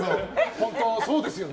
本当、そうですよね。